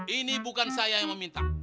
ini bukan saya yang meminta